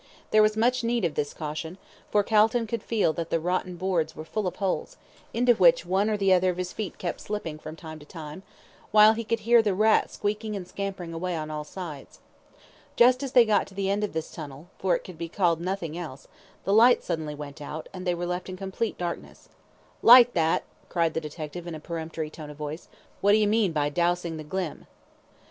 There was much need of this caution, for Calton could feel that the rotten boards were full of holes, into which one or the other of his feet kept slipping from time to time, while he could hear the rats squeaking and scampering away on all sides. Just as they got to the end of this tunnel, for it could be called nothing else, the light suddenly went out, and they were left in complete darkness. "Light that," cried the detective in a peremptory tone of voice. "What do you mean by dowsing the glim?"